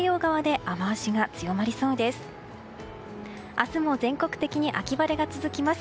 明日も全国的に秋晴れが続きます。